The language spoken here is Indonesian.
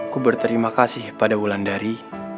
ku berterima kasih pada wulandari